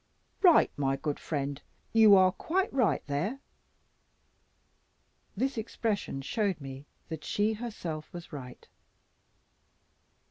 "Right, my good friend, you are quite right there" this expression showed me that she herself was right.